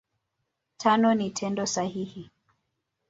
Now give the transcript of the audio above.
Tano ni Tendo sahihi.